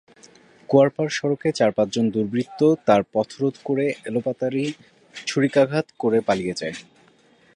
কুয়ারপাড় সড়কে চার-পাঁচজন দুর্বৃত্ত তাঁর পথরোধ করে এলাপাতাড়ি ছুরিকাঘাত করে পালিয়ে যায়।